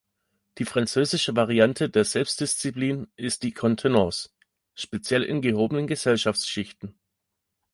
Die französische Variante der Selbstdisziplin ist die "Contenance", speziell in gehobenen Gesellschaftsschichten.